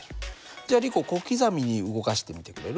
じゃあリコ小刻みに動かしてみてくれる？